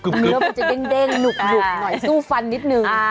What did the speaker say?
เนื้อจะเต้นเต้นหนุกหนุกหน่อยสู้ฟันนิดนึง